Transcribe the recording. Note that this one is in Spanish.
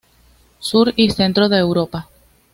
Sur y centro de Europa.